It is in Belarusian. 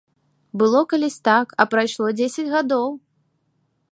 Было калісь так, а прайшло дзесяць гадоў!